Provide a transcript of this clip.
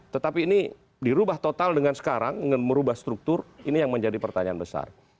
tetapi ini dirubah total dengan sekarang merubah struktur ini yang menjadi pertanyaan besar